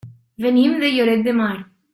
Venim de Lloret de Mar.